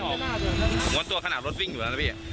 ก็เลยลงเพราะหายใจไม่ออกมันตัวขนาดรถวิ่งอยู่แล้วนะพี่